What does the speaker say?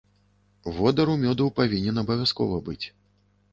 Водар у мёду павінен абавязкова быць.